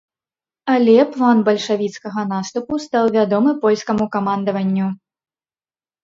Але план бальшавіцкага наступу стаў вядомы польскаму камандаванню.